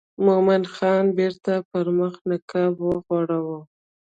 مومن خان بیرته پر مخ نقاب وغوړاوه.